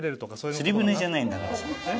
釣り船じゃないんだから。